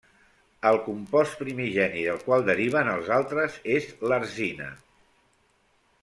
El compost primigeni del qual deriven els altres és l'arsina.